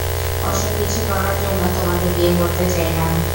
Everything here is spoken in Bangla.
ওসব কিছু করার জন্য, তোমাদের বিয়ে করতে চাই না।